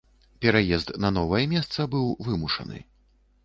Пераезд на новае месца быў вымушаны.